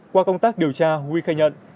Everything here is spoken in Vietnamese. qua công tác điều tra we khai nhận